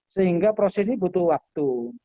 sehingga proses ini butuh waktu